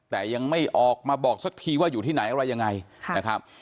แต่ยังไม่ออกมาบอกสักทีว่าอยู่ที่ไหนอะไรยังไงนะครับ